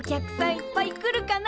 いっぱい来るかな。